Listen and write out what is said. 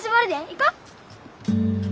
行こう！